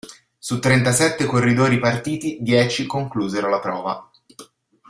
Su trentasette corridori partiti, dieci conclusero la prova.